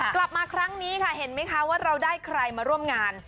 กลับมาครั้งนี้ค่ะเห็นไหมคะว่าเราได้ใครมาร่วมงาน